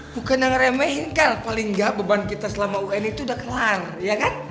bukan yang remehin kan paling nggak beban kita selama un itu udah kelar ya kan